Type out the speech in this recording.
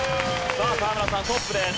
さあ河村さんトップです。